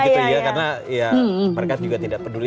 karena ya mereka juga tidak peduli